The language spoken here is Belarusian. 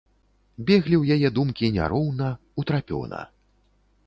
Беглі ў яе думкі няроўна, утрапёна.